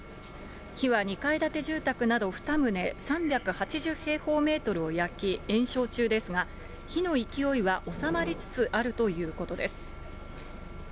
火は２階建て住宅など２棟３８０平方メートルを焼き、延焼中ですが、火の勢いは収まりつつあるということです。